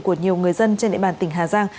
của nhiều người dân trên địa bàn tỉnh hà giang